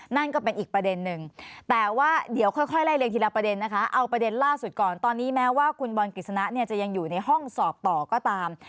นั่นก็เป็นอีกประเด็นนึงแต่ว่าเดี๋ยวค่อยไล่เรียงทีละประเด็นนะคะเอาประเด็นล่าสุดก่อนตอนนี้แม้ว่าคุณบอลกฤษณะเนี่ยจะยังอยู่ในห้องสอบต่อก็ตาม